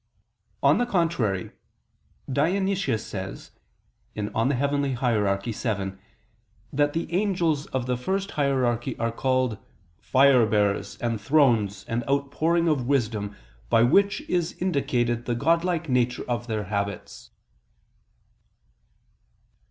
On the contrary, Dionysius says (Coel. Hier. vii) that the angels of the first hierarchy are called: "Fire bearers and Thrones and Outpouring of Wisdom, by which is indicated the godlike nature of their habits."